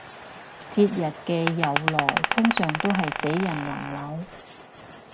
節日嘅由來通常都係死人冧樓